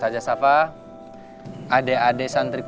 si apanya their